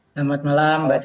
selamat malam mbak caca